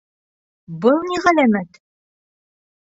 Был ни ғәләмәт?